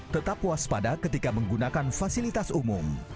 tetap waspada ketika menggunakan fasilitas umum